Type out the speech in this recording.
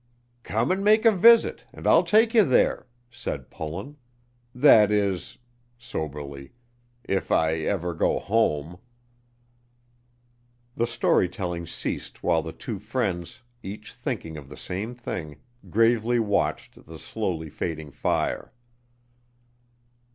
"Come and make a visit, and I'll take you there," said Pullen; "that is" (soberly) "if I ever go home." The story telling ceased while the two friends, each thinking of the same thing, gravely watched the slowly fading fire.